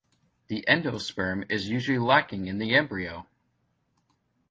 The endosperm is usually lacking in the embryo.